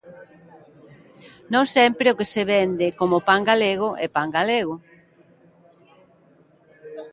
Non sempre o que se vende como pan galego é pan galego.